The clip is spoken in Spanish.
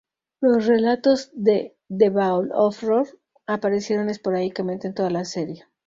Los relatos de "The Vault of Horror" aparecieron esporádicamente en toda la serie.